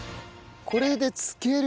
これで漬ける。